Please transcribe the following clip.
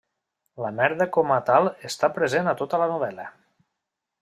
La merda com a tal està present a tota la novel·la.